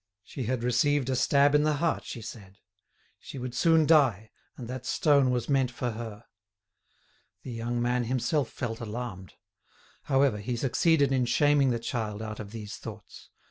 She had received a stab in the heart, she said; she would soon die, and that stone was meant for her. The young man himself felt alarmed. However, he succeeded in shaming the child out of these thoughts.